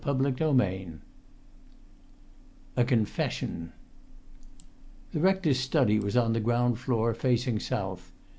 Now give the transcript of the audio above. [Pg 18] III A CONFESSION The rector's study was on the ground floor, facing south.